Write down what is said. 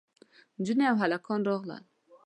نجونې او هلکان راغلل.